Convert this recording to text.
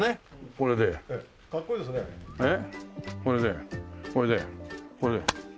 これでこれでこれ。